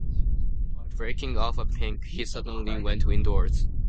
Breaking off a pink, he suddenly went indoors.